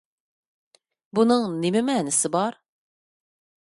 بۇنىڭ نېمە مەنىسى بار؟